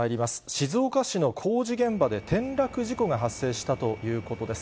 静岡市の工事現場で転落事故が発生したということです。